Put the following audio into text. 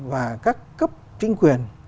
và các cấp chính quyền